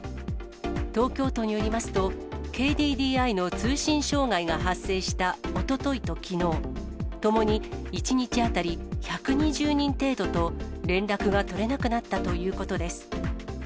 東京都によりますと、ＫＤＤＩの通信障害が発生したおとといときのう、ともに１日当たり１２０人程度と連絡が取れなくなったということです。